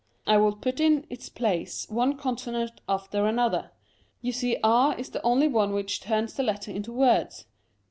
I will put in its place one con sonant after another. You see r is the only one which turns the letters into words.